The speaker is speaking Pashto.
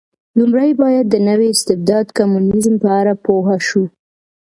لومړی باید د نوي استبداد کمونېزم په اړه پوه شو.